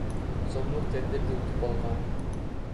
сомдук тендерди утуп алган.